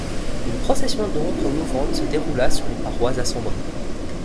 Une procession d’ombres mouvantes se déroula sur les parois assombries.